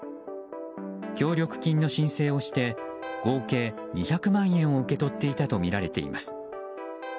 協力金の申請をして合計２００万円を受け取っていたとみられています。